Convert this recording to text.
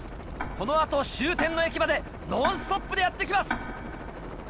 この後終点の駅までノンストップでやって来ます。